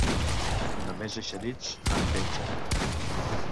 De més eixerits en pengen!